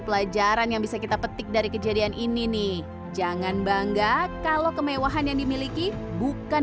pelajaran yang bisa kita petik dari kejadian ini nih jangan bangga kalau kemewahan yang dimiliki bukan